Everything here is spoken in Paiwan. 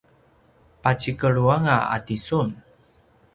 pacikelu anga a tisun